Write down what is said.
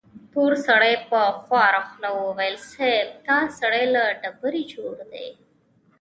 تور سړي په خواره خوله وويل: صيب! دا سړی له ډبرې جوړ دی.